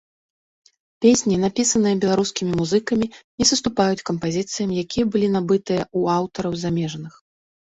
Песні, напісаныя беларускімі музыкамі, не саступаюць кампазіцыям, якія былі набытыя ў аўтараў замежных.